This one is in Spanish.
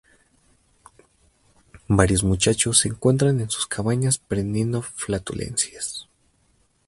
Varios muchachos se encuentran en sus cabañas prendiendo flatulencias.